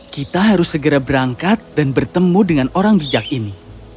kita harus segera berangkat dan bertemu dengan orang bijak ini